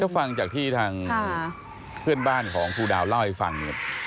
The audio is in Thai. ฟังจากที่ทางเพื่อนบ้านของครูดาวเล่าให้ฟังเนี่ย